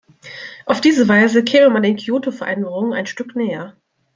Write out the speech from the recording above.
Auf diese Weise käme man den KyotoVereinbarungen ein Stück näher.